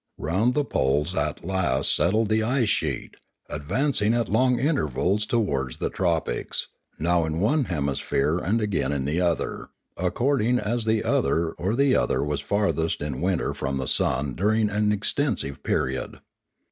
Round the poles at last settled the ice sheet, advanciug at long intervals towards the tropics, now in one hemisphere and again in the other, according as the one or the other was farthest in winter from the sun during an extensive period.